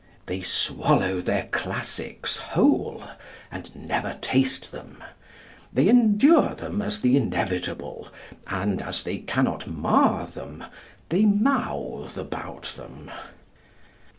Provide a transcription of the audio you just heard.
They swallow their classics whole, and never taste them. They endure them as the inevitable, and as they cannot mar them, they mouth about them.